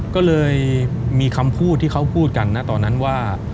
ก็เลยมีคำพูดที่เขาพูดกันนะตอนนั้นว่า